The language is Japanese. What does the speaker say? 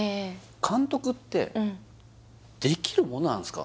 監督ってできるものなんですか？